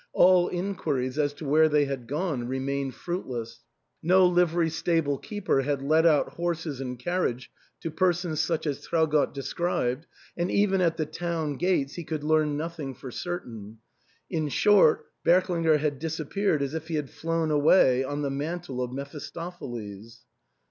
All inquiries as to where they had gone remained fruitless : no livery stable keeper had let out horses and carriage to persons such as Traugott described, and even at the town gates he could learn nothing for certain ;— in short, Berklinger had disap peared as if Ke had flown away on the mantle * of Meph istopheles.